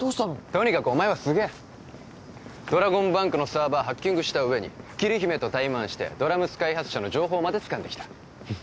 とにかくお前はすげえドラゴンバンクのサーバーハッキングした上に桐姫とタイマンしてドラ娘開発者の情報までつかんできた